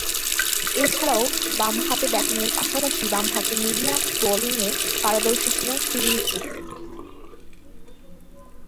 এছাড়াও, বামহাতে ব্যাটিংয়ের পাশাপাশি বামহাতে মিডিয়াম বোলিংয়ে পারদর্শী ছিলেন সিরিল পুল।